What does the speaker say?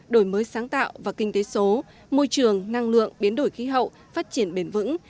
đổi mới sáng tạo và kinh tế số môi trường năng lượng biến đổi khí hậu phát triển bền vững